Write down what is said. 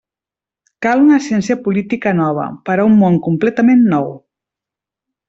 Cal una ciència política nova per a un món completament nou.